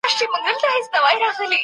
خرم